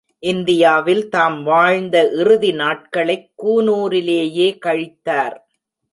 இந்தியாவில் தாம் வாழ்ந்த இறுதி நாட்களைக் கூனூரிலேயே கழித்தார்.